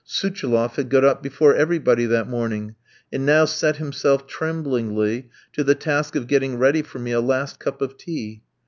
Souchiloff had got up before everybody that morning, and now set himself tremblingly to the task of getting ready for me a last cup of tea.